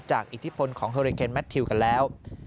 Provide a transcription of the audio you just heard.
อิทธิพลของเฮอริเคนแมททิวกันแล้ว